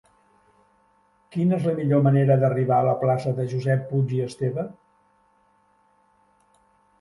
Quina és la millor manera d'arribar a la plaça de Josep Puig i Esteve?